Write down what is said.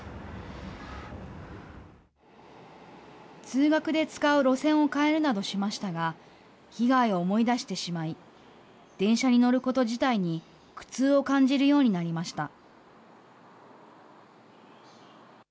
通学で使う路線を変えるなどしましたが、被害を思い出してしまい、電車に乗ること自体に苦痛を感じるようになりました。